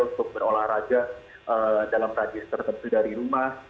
untuk berolahraga dalam rajis tertentu dari rumah